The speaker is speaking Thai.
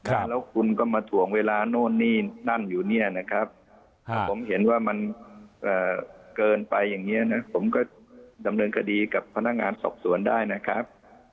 แล้วคุณก็มาถ่วงเวลาโน่นนี่นั่นอยู่เนี่ยนะครับถ้าผมเห็นว่ามันเกินไปอย่างนี้นะผมก็ดำเนินคดีกับพนักงานสอบสวนได้นะครับ